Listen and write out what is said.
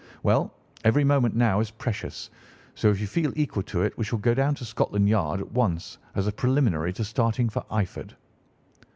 Well, every moment now is precious, so if you feel equal to it we shall go down to Scotland Yard at once as a preliminary to starting for Eyford."